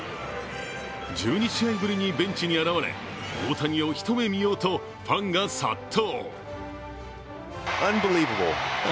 １２試合ぶりにベンチに現れ大谷をひと目見ようとファンが殺到。